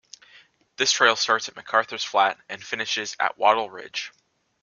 This trail starts at MacArthur's Flat and finishes at Wattle Ridge.